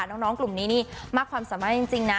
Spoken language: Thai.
น้องน้องกลุ่มนี้นี่มากความสามารถจริงจริงน่ะ